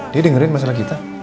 dia dengerin masalah kita